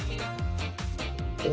お！